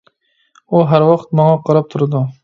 ئۇ ھەر ۋاقىت ماڭا قاراپ تۇرىدۇ.